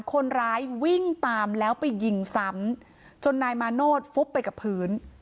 คนร้ายวิ่งตามแล้วไปยิงซ้ำจนนายมาโนธฟุบไปกับพื้น